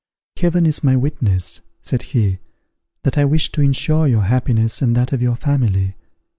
"Heaven is my witness," said he, "that I wished to insure your happiness, and that of your family.